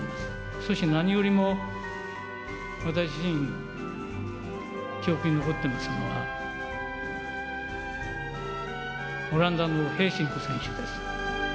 そして何よりも、私自身記憶に残っていますのは、オランダのヘーシンク選手です。